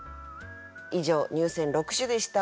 以上入選六首でした。